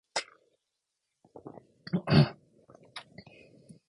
ヴェステルノールランド県の県都はヘーノーサンドである